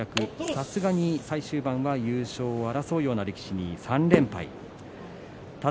さすがに最終盤は優勝を争うような力士に３連敗でした。